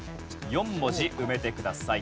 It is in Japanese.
４文字埋めてください。